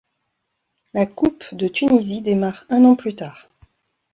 La coupe de Tunisie démarre un an plus tard.